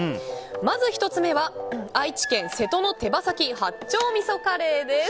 まず１つ目は、愛知県瀬戸の手羽先八丁味噌カレーです。